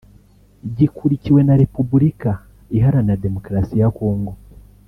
gikurikiwe na Repubulika iharanira demokarasi ya Congo